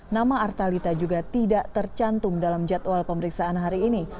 nama artalita juga tidak tercantum dalam jadwal pemeriksaan hari ini